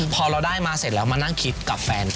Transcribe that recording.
พอเราได้มาเสร็จแล้วมานั่งคิดกับแฟน